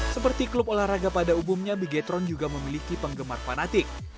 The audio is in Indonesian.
seperti klub olahraga pada umumnya bigetron juga memiliki penggemar fanatik